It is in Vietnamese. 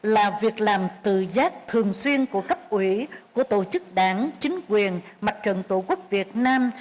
là việc làm tự giác thường xuyên của cấp ủy của tổ chức đảng chính quyền mặt trận tổ quốc việt nam